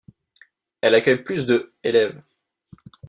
Elle accueille plus de élèves.